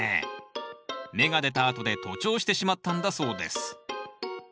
芽が出たあとで徒長してしまったんだそうです。